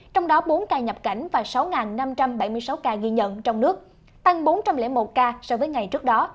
trong đó bốn ca nhập cảnh và sáu năm trăm bảy mươi sáu ca ghi nhận trong nước tăng bốn trăm linh một ca so với ngày trước đó